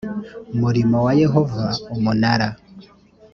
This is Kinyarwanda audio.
murimo wa yehova umunara